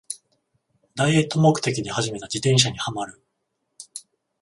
ダイエット目的で始めた自転車にハマる